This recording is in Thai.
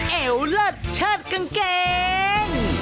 แอวเลิศชัดกางแกง